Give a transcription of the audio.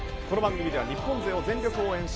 この番組では日本勢を全力応援。